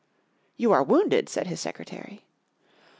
"You are wounded," said his secretary.